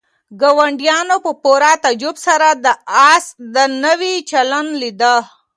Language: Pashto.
ګاونډیانو په پوره تعجب سره د آس دا نوی چلند لیده.